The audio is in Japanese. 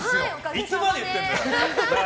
いつまで言ってんだよ！